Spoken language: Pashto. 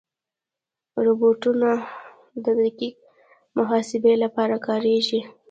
روبوټونه د دقیق محاسبې لپاره کارېږي.